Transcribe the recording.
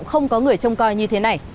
cũng không có người trông coi như thế này